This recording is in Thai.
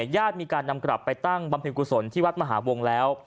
ญาติมีการนำกลับไปตั้งบ๒๐๒๐บำพิวศลที่วัฒนภาหาวงแล้ว